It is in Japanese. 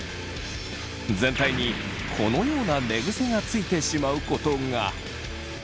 全体にこのような寝ぐせがついてしまうことが。